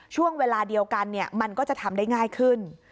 ช่วงเวลาเดียวกันมันก็จะทำได้ง่ายขึ้น